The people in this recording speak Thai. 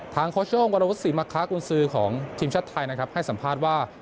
ทางโค้ชโชงวรวุฒิมะคะคุณซื้อของทิมชัดไทยให้สัมภาษณ์ว่า